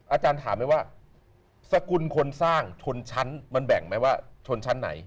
อาจารย์ถามไหมว่าสกุลคนสร้างชนชั้นมันแบ่งไหมว่าชนชั้นไหน